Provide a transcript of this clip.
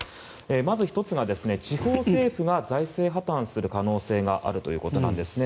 まず１つが、地方政府が財政破たんする可能性があるということなんですね。